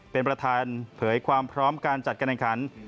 เป็นประธานเผยความพร้อมการจัดการแข่งขัน